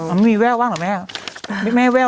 มันมีแววบ้างเหรอแม่แวว